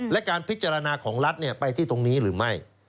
และการพิจารณาของรัฐไปที่ตรงนี้หรือไม่